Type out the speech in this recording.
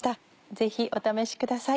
ぜひお試しください。